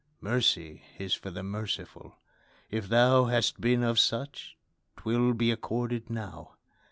Mercy is for the merciful! if thou Hast been of such, 'twill be accorded now.